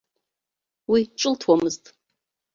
Уи ҿылҭуамызт.